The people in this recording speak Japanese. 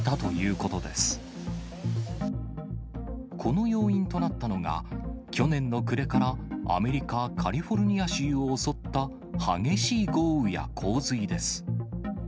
この要因となったのが、去年の暮れからアメリカ・カリフォルニア州を襲った激しい豪雨や洪水です。